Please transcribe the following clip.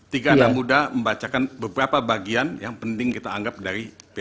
tiga anak muda membacakan beberapa bagian yang penting kita anggap dari p tiga